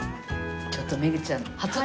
ちょっとメグちゃん初。